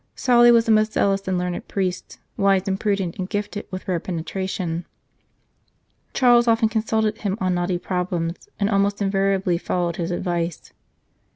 Sauli was a most zealous and learned priest, wise and prudent, and gifted with .rare penetration. Charles often consulted him on knotty problems, and almost invariably followed his advice.